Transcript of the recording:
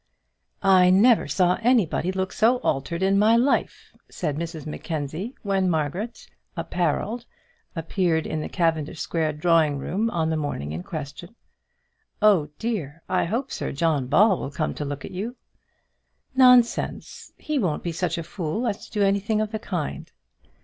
"I never saw anybody look so altered in my life," said Mrs Mackenzie, when Margaret, apparelled, appeared in the Cavendish Square drawing room on the morning in question. "Oh, dear, I hope Sir John Ball will come to look at you." "Nonsense! he won't be such a fool as to do anything of the kind."